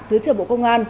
thứ trưởng bộ công an